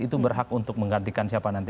itu berhak untuk menggantikan siapa nanti